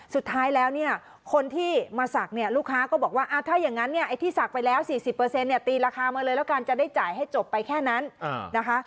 สุดท้ายแล้วเนี่ยคนที่มาศักดิ์เนี่ยลูกค้าก็บอกว่าถ้าอย่างนั้นเนี่ยไอ้ที่ศักดิ์ไปแล้ว๔๐เนี่ยตีราคามาเลยแล้วกันจะได้จ่ายให้จบไปแค่นั้นนะคะ